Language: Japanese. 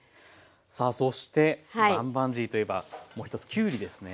さあそしてバンバンジーといえばもう一つきゅうりですね。